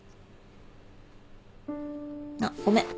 あっごめん。